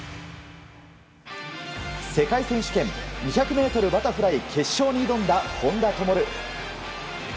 世界選手権２００ｍバタフライ決勝に挑んだ本多灯。